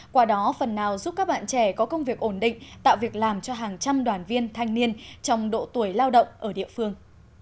qua đó phần nào giúp các bạn trẻ có công việc ổn định tạo việc làm cho hàng trăm đoàn viên thanh niên trong độ tuổi lao động ở địa phương